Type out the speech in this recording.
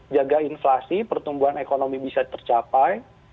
jaga inflasi pertumbuhan ekonomi bisa tercapai